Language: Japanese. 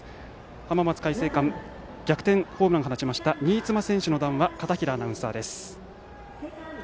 浜松開誠館逆転ホームランを放ちました新妻選手の談話片平アナウンサーです。